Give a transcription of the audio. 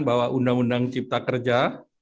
bahwa undang undang cipta kerja